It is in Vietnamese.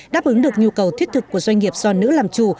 đáp ứng được nhu cầu thiết thực của doanh nghiệp do nữ làm chủ